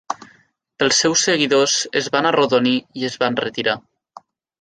Els seus seguidors es van arrodonir i es van retirar.